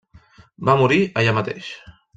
Va morir allà mateix.